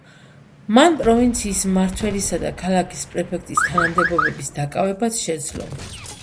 მან პროვინციის მმართველისა და ქალაქის პრეფექტის თანამდებობების დაკავებაც შეძლო.